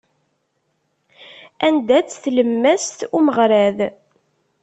Anda-tt tlemmast umeɣrad?